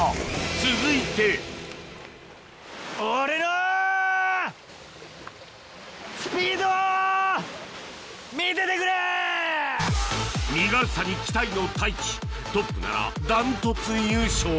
続いて身軽さに期待の太一トップなら断トツ優勝